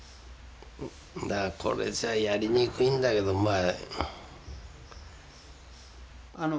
だからこれじゃやりにくいんだけどまあ。